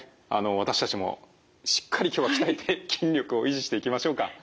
私たちもしっかり今日は鍛えて筋力を維持していきましょうか。